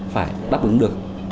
phải đáp ứng được